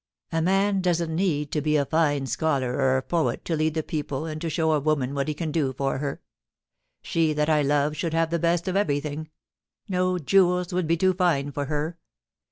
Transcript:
' A man doesn't need to be a fine scholar or a poet to lead the people and to show a woman what he can do for her. She that I love should have the best of everything — no jewels would be too fine for her.